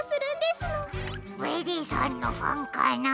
ベリーさんのファンかな？